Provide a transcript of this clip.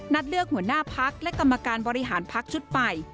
เลือกหัวหน้าพักและกรรมการบริหารพักชุดใหม่